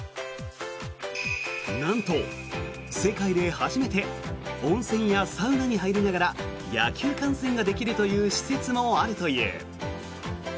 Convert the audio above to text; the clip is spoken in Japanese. なんと、世界で初めて温泉やサウナに入りながら野球観戦ができるという施設もあるという。